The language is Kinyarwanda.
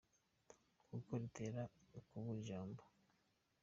Kuko ritera kubura ijambo